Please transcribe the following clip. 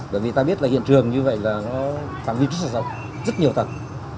bởi vì ta biết là hiện trường như vậy là nó phạm vi rất là rộng rất nhiều tầng